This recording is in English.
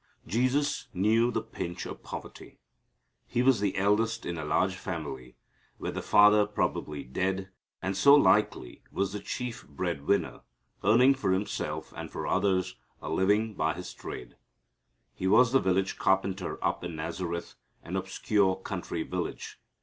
Jesus knew the pinch of poverty. He was the eldest in a large family, with the father probably dead, and so likely was the chief breadwinner, earning for Himself and for the others a living by His trade. He was the village carpenter up in Nazareth, an obscure country village.